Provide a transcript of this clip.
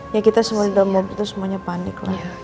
ya kita semua di dalam mobil itu semuanya panik lah